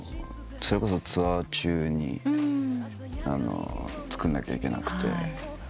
それこそツアー中に作んなきゃいけなくて。